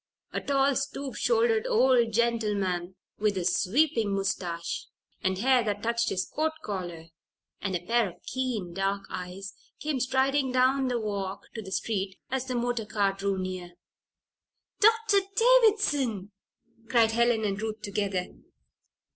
A tall, stoop shouldered old gentleman, with a sweeping mustache and hair that touched his coat collar, and a pair of keen, dark eyes, came striding down the walk to the street as the motor car drew near. "Doctor Davison!" cried Helen and Ruth together.